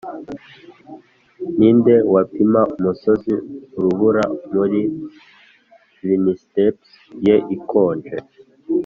ninde wapima umusozi urubura muri flintsteps ye ikonje